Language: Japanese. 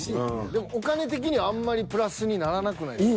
でもお金的にはあんまりプラスにならなくないですか？